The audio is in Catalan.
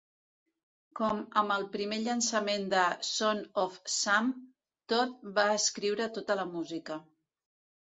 Com amb el primer llançament de Son Of Sam, Todd va escriure tota la música.